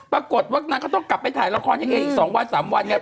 ปรากฏว่านางก็ต้องกลับไปถ่ายละครเองอีก๒วัน๓วันไง